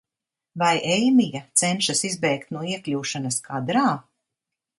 Vai Eimija cenšas izbēgt no iekļūšanas kadrā?